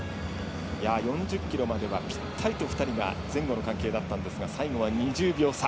４０ｋｍまではぴったりと２人が前後の関係だったんですが最後は２０秒差。